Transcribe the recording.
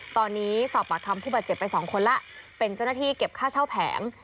ตอนนี้สอบปากคำผู้บาดเจ็บไปสองคนแล้วเป็นเจ้าหน้าที่เก็บค่าเช่าแผง